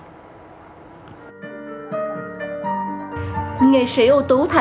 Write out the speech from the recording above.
nghệ sĩ ưu tú thành lộc hóa thân vào một anh bắn đồ chơi trong công viên giải trí